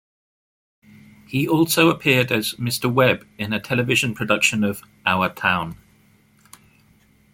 He also appeared as Mr. Webb in a television production of "Our Town".